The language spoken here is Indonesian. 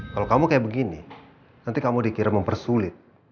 kalau kamu kayak begini nanti kamu dikira mempersulit